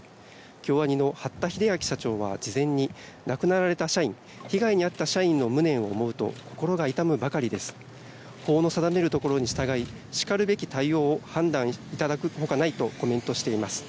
京アニの八田英明社長は、事前に亡くなられた社員被害に遭った社員の無念を思うと心が痛むばかりです法の定めるところに従いしかるべき対応を判断いただくほかないとコメントしています。